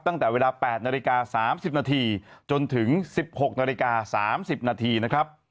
ตั้งแต่เวลา๘นาฬิกา๓๐นาทีจนถึง๑๖นาฬิกา๓๐นาทีนะครับ